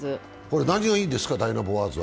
何がいいんですか、ダイナボアーズは？